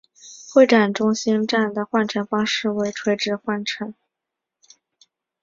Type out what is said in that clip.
会展中心站的换乘方式为垂直换乘。